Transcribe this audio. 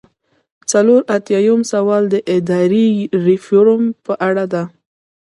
څلور ایاتیام سوال د اداري ریفورم په اړه دی.